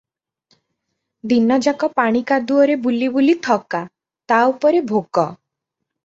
ଦିନ ଯାକ ପାଣି କାଦୁଅରେ ବୁଲିବୁଲି ଥକା, ତା' ଉପରେ ଭୋକ!